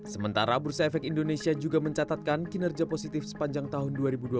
sementara bursa efek indonesia juga mencatatkan kinerja positif sepanjang tahun dua ribu dua puluh satu